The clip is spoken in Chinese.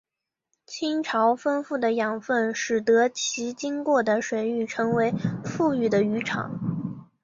亲潮丰富的养分使得其经过的水域成为富裕的渔场。